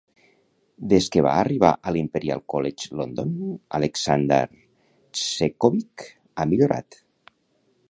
Des que va arribar a L'Imperial College London, l'Aleksandar Cvetkovic ha millorat.